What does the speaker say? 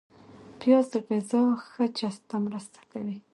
پیاز د غذا ښه جذب ته مرسته کوي